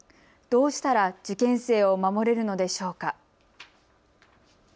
どうしたら受験生を守れるのでしょうか。